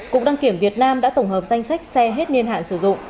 cục đăng kiểm việt nam đã tổng hợp danh sách xe hết niên hạn sử dụng